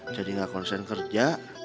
jadi gak konsen kerja